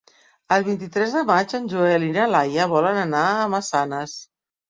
El vint-i-tres de maig en Joel i na Laia volen anar a Massanes.